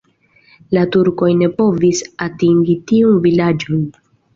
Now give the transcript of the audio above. La turkoj ne povis atingi tiun vilaĝon.